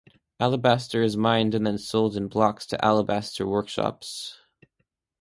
Alabaster is mined and then sold in blocks to alabaster workshops.